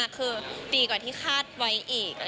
คือดีกว่าที่คาดไว้อีก